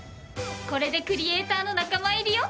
これでクリエイターの仲間入りよ。